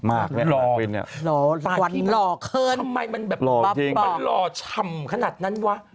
มากคุณเนี่ยหล่อขึ้นบ๊อบบอกทำไมมันแบบหล่อชำขนาดนั้นวะ